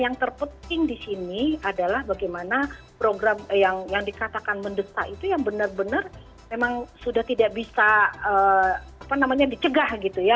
yang terpenting di sini adalah bagaimana program yang dikatakan mendesak itu yang benar benar memang sudah tidak bisa dicegah gitu ya